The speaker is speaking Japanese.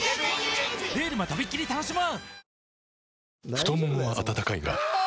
太ももは温かいがあ！